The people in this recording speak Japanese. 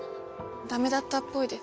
駄目だったっぽいです。